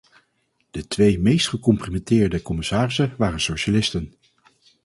De twee meest gecompromitteerde commissarissen waren socialisten.